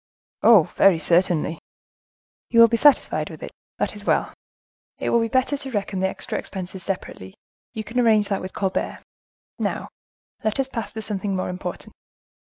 "Oh! very certainly." "You will be satisfied with it? That is well. It will be better to reckon the extra expenses separately; you can arrange that with Colbert. Now let us pass to something more important."